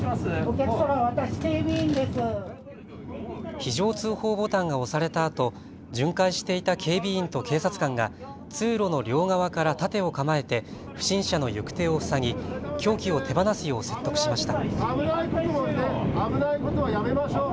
非常通報ボタンが押されたあと巡回していた警備員と警察官が通路の両側から盾を構えて不審者の行く手を塞ぎ凶器を手放すよう説得しました。